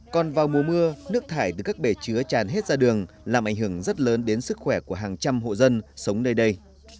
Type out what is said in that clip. còn vào mùa mưa nước thải từ các bể chứa tràn hết ra đường làm ảnh hưởng rất lớn đến sức khỏe của hàng trăm hộ dân sống nơi đây